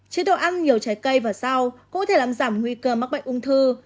chế độ ăn nhiều trái cây và sao cũng có thể làm giảm nguy cơ mắc bệnh ung thư